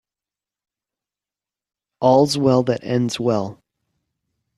All's well that ends well.